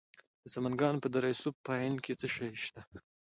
د سمنګان په دره صوف پاین کې څه شی شته؟